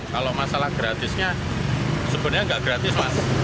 kalau masalah gratisnya sebenarnya nggak gratis mas